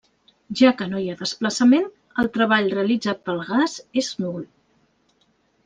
Ja que no hi ha desplaçament el treball realitzat pel gas és nul.